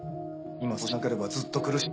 今そうしなければずっと苦しい。